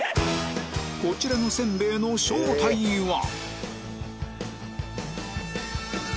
こちらのせんべいの正体は？